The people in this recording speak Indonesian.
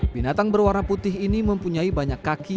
binatang berwarna putih ini mempunyai banyak kaki